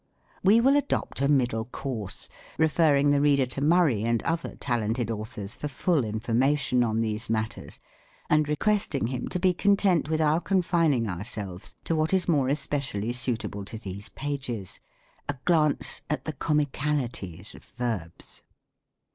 We will adopt a middle, course ; referring the reader to Murray and other< talented authors for full information on these matters; and requesting him to be content with our confining ETYMOLOGY. 59 ourselves to what is more especially suitable to these pages — a glance at the Comicalities of verbs.